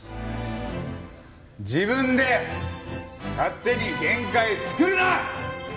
自分で勝手に限界作るな！